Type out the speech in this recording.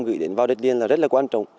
gửi đến vào đất điền là rất là quan trọng